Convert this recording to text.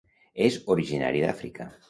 És originari d'Àfrica.